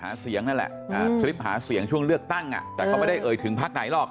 หาเสียงนั่นแหละคลิปหาเสียงช่วงเลือกตั้งแต่เขาไม่ได้เอ่ยถึงพักไหนหรอก